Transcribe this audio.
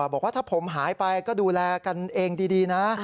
บอกว่าถ้าผมหายไปก็ดูแลกันเองดีนะ